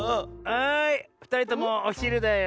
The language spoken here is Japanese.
はいふたりともおひるだよ。